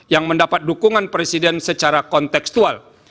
yang mendapat dukungan presiden secara konteksual